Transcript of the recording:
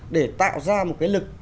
để tạo ra một cái lực